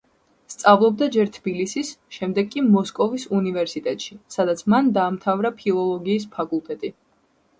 სწავლობდა ჯერ თბილისის შემდეგ კი მოსკოვის უნივერსიტეტში, სადაც მან დაამთავრა ფილოლოგიის ფაკულტეტი.